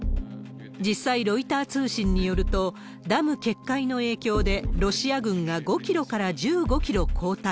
実際、ロイター通信によると、ダム決壊の影響で、ロシア軍が５キロから１５キロ後退。